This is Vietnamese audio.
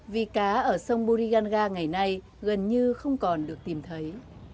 vì cá ở sông buriganda ngày nay gần như không còn được tìm thấy